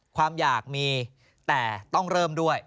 ความอยากมีแต่ต้องเริ่มด้วย